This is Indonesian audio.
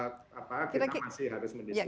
kita masih harus mendiskusikan